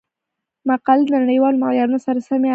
مقالې د نړیوالو معیارونو سره سمې ارزول کیږي.